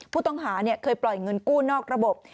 ผู้ต้องหาเคยปล่อยเงินกู้นอกระบบ